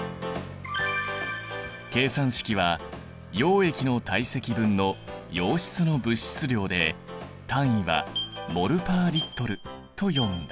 計算式は溶液の体積分の溶質の物質量で単位はｍｏｌ／Ｌと読むんだ。